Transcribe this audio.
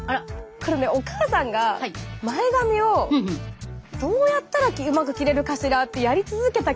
これねお母さんが前髪をどうやったらうまく切れるかしらってやり続けた結果